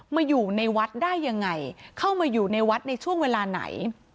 มาอยู่ในวัดได้ยังไงเข้ามาอยู่ในวัดในช่วงเวลาไหน